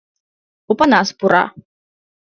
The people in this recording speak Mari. Опанас пура.